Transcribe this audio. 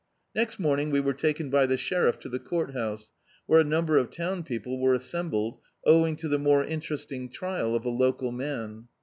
Next morning we were taken by the sheriff to the court house, where a number of town people were assembled, owing to the more interesting trial of a local man.